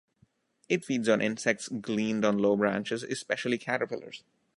It feeds on insects gleaned on low branches, especially caterpillars.